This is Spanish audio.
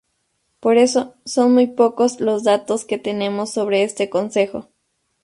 Por eso son muy pocos los datos que tenemos sobre este concejo.